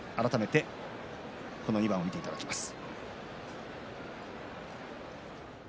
この２番を見ていただきます。